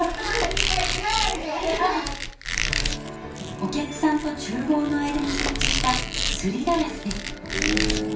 お客さんとちゅうぼうの間に設置したすりガラスです。